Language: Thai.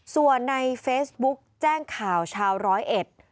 ส่วนในเฟซบุ๊กแจ้งข่าวชาวร้อยเอ็ด